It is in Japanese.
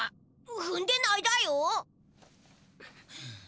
ふんでないだよ？